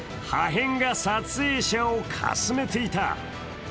破片が撮影者をかすめていた。